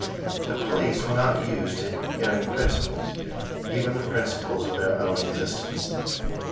The police were not used to hearing principles, even the principles of their own existence.